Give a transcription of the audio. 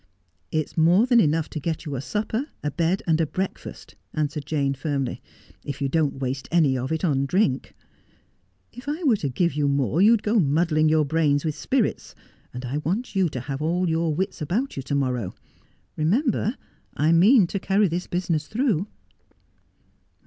' It's more than enough to get you a supper, a bed, and a breakfast,' answered Jane firmly, ' if you don't waste any of it upon drink. If I were to give you more you'd go muddling your brains with spirits, and I want you to have all your wits about you to morrow. Remember, I mean to carry this business through.'